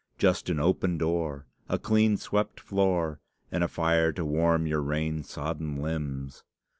just an open door, a clean swept floor, and a fire to warm your rain sodden limbs!